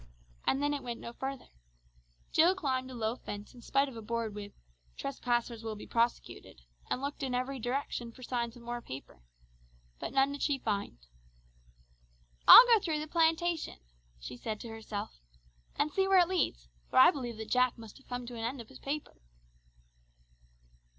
And then it went no further. Jill climbed a low fence in spite of a board with "Trespassers will be prosecuted," and looked in every direction for signs of more paper. But none did she find. "I'll go through the plantation," she said to herself, "and see where it leads, for I believe that Jack must have come to an end of his paper."